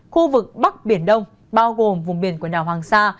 khu vực bắc biển đông bao gồm vùng biển quyền đào hoàng sa